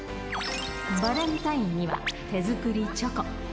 バレンタインには手作りチョコ。